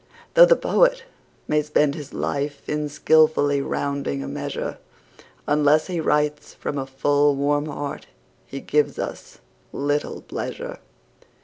Though the poet may spend his life in skilfully rounding a measure, Unless he writes from a full, warm heart he gives us little pleasure.